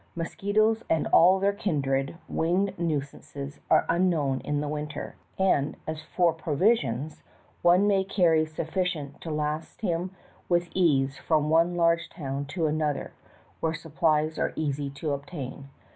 Mosquitoes and all their kindred winged nuisanees are unknown in the winter, and as for provisions, one may carry sufficient to last him with ease from one large town to another, where supplies are easy to obtain.